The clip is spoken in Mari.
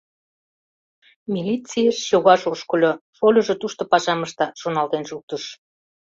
«Милицийыш чогаш ошкыльо, шольыжо тушто пашам ышта», — шоналтен шуктыш.